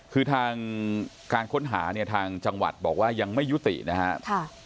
คือทางการค้นหาเนี่ยทางจังหวัดบอกว่ายังไม่ยุตินะครับ